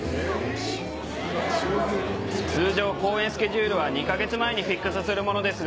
通常公演スケジュールは２か月前にフィックスするものですが。